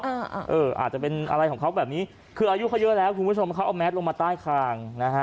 เอออาจจะเป็นอะไรของเขาแบบนี้คืออายุเขาเยอะแล้วคุณผู้ชมเขาเอาแมสลงมาใต้คางนะฮะ